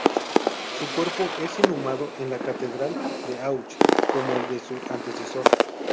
Su cuerpo es inhumado en la catedral de Auch, como el de su antecesor.